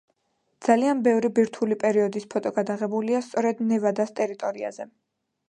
ძალიან ბევრი ბირთვული პერიოდის ფოტო გადაღებულია სწორედ ნევადას ტერიტორიაზე.